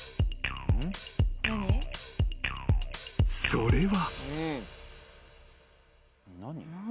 ［それは］